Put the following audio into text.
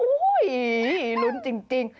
อุ้ยลุ้นจริง